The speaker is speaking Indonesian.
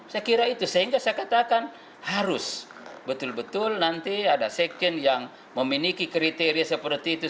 saya kira itu sehingga saya katakan harus betul betul nanti ada sekjen yang memiliki kriteria seperti itu